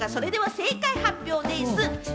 正解発表でぃす！